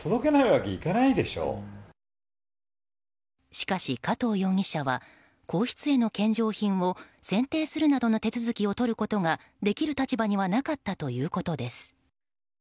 しかし、加藤容疑者は皇室への献上品を選定するなどの手続きをとることができる立場にはなかったということです。